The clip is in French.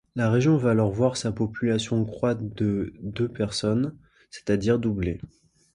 La région va alors voir sa population croître de de personnes, c’est-à-dire doubler.